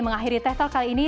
mengakhiri tehtalk kali ini